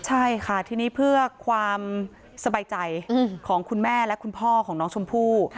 ใช่ค่ะทีนี้เพื่อความสบายใจของคุณแม่และคุณพ่อของน้องชมพู่